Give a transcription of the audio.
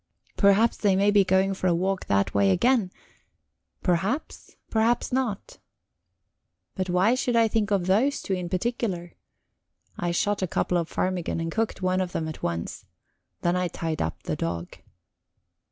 Perhaps they may be going for a walk that way again perhaps, perhaps not." But why should I think of those two in particular? I shot a couple of ptarmigan, and cooked one of them at once; then I tied up the dog.